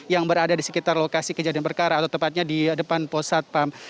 yang berada di sekitar lokasi kejadian perkara atau tepatnya di depan posatpam